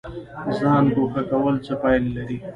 ځان ګوښه کول څه پایله لري؟